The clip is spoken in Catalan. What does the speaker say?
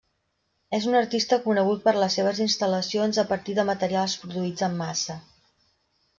És un artista conegut per les seves instal·lacions a partir de materials produïts en massa.